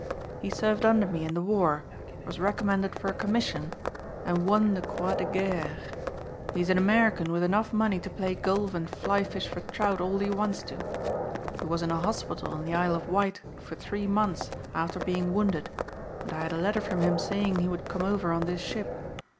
He served under me in the war, was recommended for a commission, and won the Croix de Guerre. He is an American with enough money to play golf and flyfish for trout all he wants to. He was in a hospital in the Isle of Wight for three months after being wounded and I had a letter from him saying he would come over on this ship.